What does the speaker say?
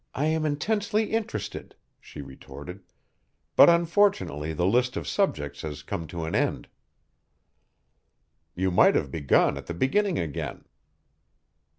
"I am intensely interested," she retorted, "but unfortunately the list of subjects has come to an end." "You might have begun at the beginning again."